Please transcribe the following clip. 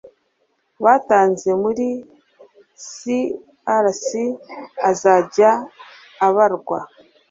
batanze muri crc azajya abarwa